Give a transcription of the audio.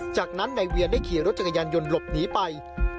จากนั้นนายเวียนได้ขี่รถจักรยานยนต์หลบหนีไป